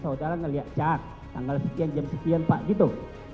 saudara ngelihat chat tanggal sekian jam sekian pak gitu